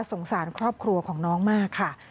สงสารครอบครัวของน้องมากค่ะ